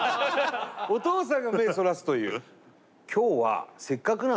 お父さんが目そらすという。